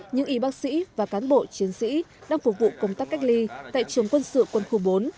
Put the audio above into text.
những y bác sĩ và cán bộ chiến sĩ đang phục vụ công tác cách ly tại trường quân sự quân khu bốn